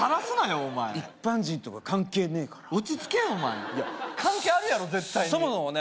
お前一般人とか関係ねえから落ち着けよお前関係あるやろ絶対にそもそもね